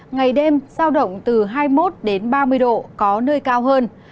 ngày đêm sao động từ hai mươi một đến ba mươi độ có nơi cao hơn